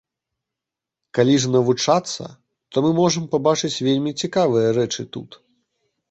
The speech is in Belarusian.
Калі ж навучацца, то мы можам пабачыць вельмі цікавыя рэчы тут.